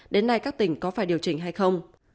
đến nay các tỉnh có phải điều chỉnh hay không